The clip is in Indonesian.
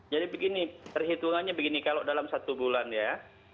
jadi begini terhitungannya begini kalau dalam satu bulan ya